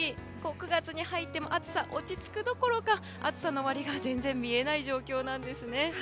９月に入っても暑さ落ち着くどころか暑さの終わりが全然見えない状況なんですね。